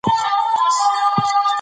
افغانستان کې د انار په اړه زده کړه کېږي.